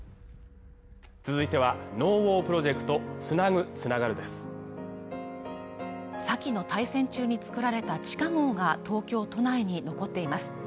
続いては「ＮＯＷＡＲプロジェクトつなぐ、つながる」です先の大戦中に作られた地下壕が東京都内に残っています